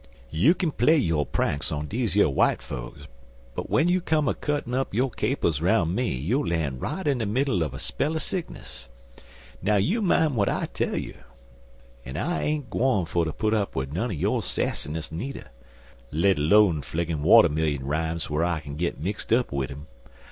You k'n play yo' pranks on deze yer w'ite fokes, but w'en you come a cuttin' up yo' capers roun me you 'll lan' right in de middle uv er spell er sickness now you mine w'at I tell you. An' I ain't gwine fer ter put up wid none er yo' sassness nudder let 'lone flingin' watermillion rimes whar I kin git mixt up wid um.